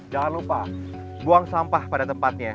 jangan lupa buang sampah pada tempatnya